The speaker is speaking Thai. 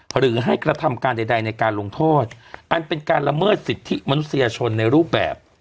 หรือให้กระทำการใดในการลงโทษอันเป็นการละเมิดสิทธิมนุษยชนในรูปแบบ